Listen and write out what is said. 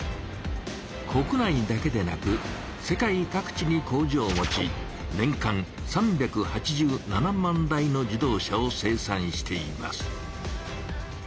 国内だけでなく世界各地に工場を持ち年間３８７万台の自動車を生産しています。